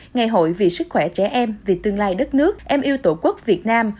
ngày hội vì sức khỏe trẻ em vì tương lai đất nước em yêu tổ quốc việt nam